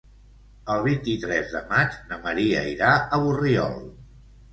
El vint-i-tres de maig na Maria irà a Borriol.